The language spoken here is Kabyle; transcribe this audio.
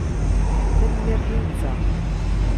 Tanemmirt i netta.